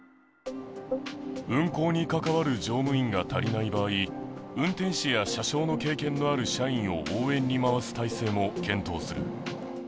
運行に関わる乗務員が足りない場合、運転士や車掌の経験のある社員を応援に回す体制も検討する。